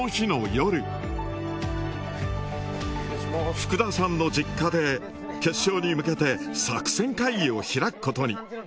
福田さんの実家で決勝に向けて作戦会議を開くことに。